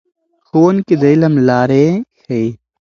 ښوونکي د علم لارې ښیي.